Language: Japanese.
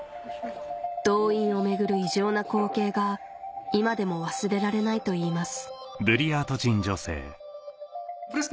動員を巡る異常な光景が今でも忘れられないといいます